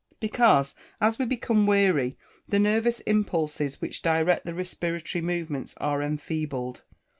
_ Because, as we become weary, the nervous impulses which direct the respiratory movements are enfeebled.